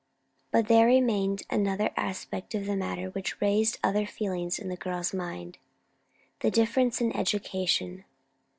But there remained another aspect of the matter which raised other feelings in the girl's mind. The difference in education.